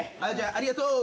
ありがとう！